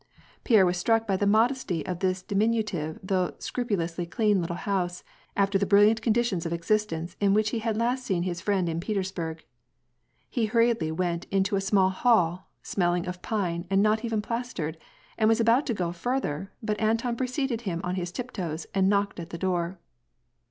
Pierre was struck by the modesty of this diminutive though scrupulously clean little house, after the brilliant conditions of existence in which he had last seen his friend in Peters burg. He hurriedly went into a small hall, smelling of pine and not even plastered, and was about to go farther, but Anton preceded him on his tiptoes and knocked at the door.